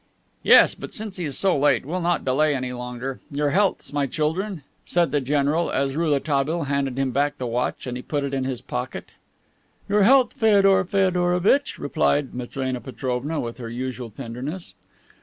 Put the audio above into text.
"Yes, but since he is so late, we'll not delay any longer. Your healths, my children," said the general as Rouletabille handed him back the watch and he put it in his pocket. "Your health, Feodor Feodorovitch," replied Matrena Petrovna, with her usual tenderness.